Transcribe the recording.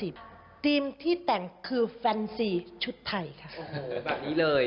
ปตีมที่แต่งคือแฟนซีชุดไทย